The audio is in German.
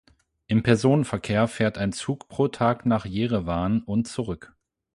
Im Personenverkehr fährt ein Zug pro Tag nach Jerewan und zurück.